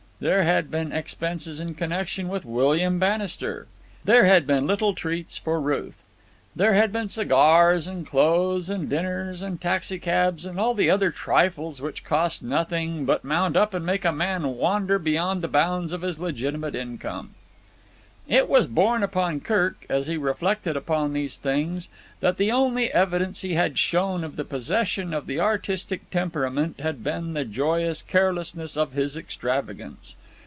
There had been expenses in connection with William Bannister. There had been little treats for Ruth. There had been cigars and clothes and dinners and taxi cabs and all the other trifles which cost nothing but mount up and make a man wander beyond the bounds of his legitimate income. It was borne in upon Kirk, as he reflected upon these things, that the only evidence he had shown of the possession of the artistic temperament had been the joyous carelessness of his extravagance.